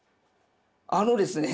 あのですね